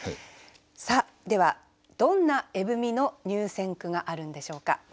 さあではどんな「絵踏」の入選句があるんでしょうか。